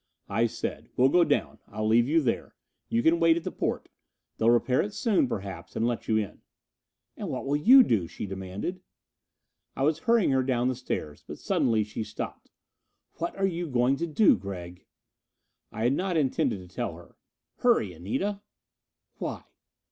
I said, "We'll go down, I'll leave you there. You can wait at the porte. They'll repair it soon, perhaps, and let you in." "And what will you do?" she demanded. I was hurrying her down the stairs. But suddenly she stopped. "What are you going to do, Gregg?" I had not intended to tell her. "Hurry, Anita!" "Why?"